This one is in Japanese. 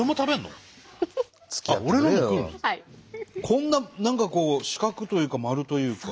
こんな何か四角というか丸というか。